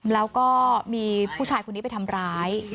แล้วก็มีผู้ชายคนนี้ไปทำร้าย